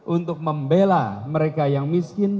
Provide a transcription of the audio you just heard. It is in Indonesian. untuk membela mereka yang miskin